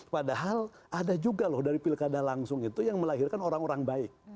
padahal ada juga loh dari pilkada langsung itu yang melahirkan orang orang baik